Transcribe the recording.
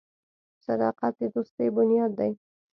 • صداقت د دوستۍ بنیاد دی.